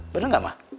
bener gak ma